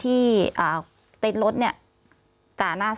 พี่เรื่องมันยังไงอะไรยังไง